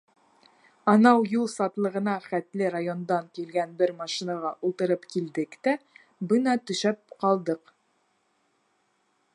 Анау юл сатлығына хәтле райондан килгән бер машинаға ултырып килдек тә, бына төшөп ҡалдыҡ.